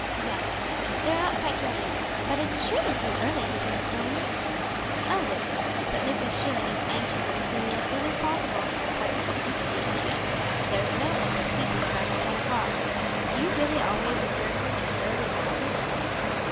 "Yes; they are not quite ready yet; but it is surely too early to think of going?" "A little; but Mrs. Schilling is anxious to see you as soon as possible; particularly as she understands there is no hope of keeping you after ten o'clock. Do you really always observe such early hours?"